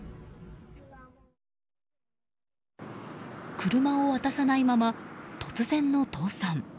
車を渡さないまま、突然の倒産。